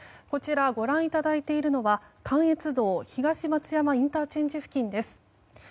ご覧いただいているのは関越道東松山ＩＣ付近です。